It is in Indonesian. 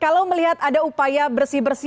kalau melihat ada upaya bersih bersih